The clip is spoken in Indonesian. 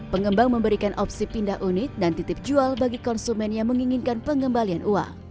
pengembang memberikan opsi pindah unit dan titip jual bagi konsumen yang menginginkan pengembalian uang